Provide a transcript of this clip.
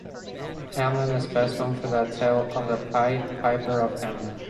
Hamelin is best known for the tale of the Pied Piper of Hamelin.